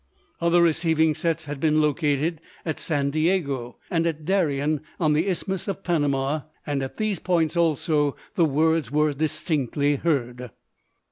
Other receiving sets had been located at San Diego and at Darien on the Isthmus of Panama, and at these points also the words were distinctly heard.